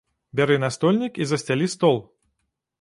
Бяры настольнік і засцялі стол!